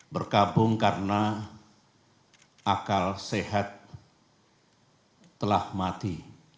berkabung karena akal sehat telah mati